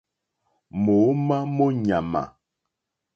Mǒómá mó ɲàmà.